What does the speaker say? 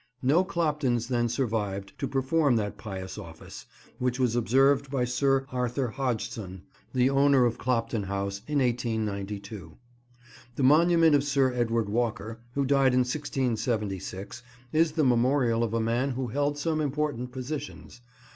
No Cloptons then survived to perform that pious office, which was observed by Sir Arthur Hodgson, the owner of Clopton House, in 1892. The monument of Sir Edward Walker, who died in 1676, is the memorial of a man who held some important positions.